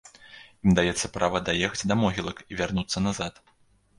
Ім даецца права даехаць да могілак і вярнуцца назад.